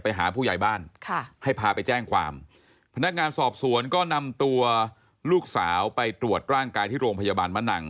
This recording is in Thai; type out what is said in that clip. ไปหาผู้ใหญ่บ้านค่ะให้พาไปแจ้งความพนักงานสอบสวนก็นำตัวลูกสาวไปตรวจร่างกายที่โรงพยาบาลมะนัง